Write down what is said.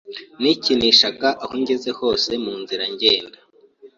Nikinishaga aho ngeze hose, munzira ngenda